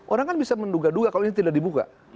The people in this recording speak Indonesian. orang kan bisa menduga duga kalau ini tidak dibuka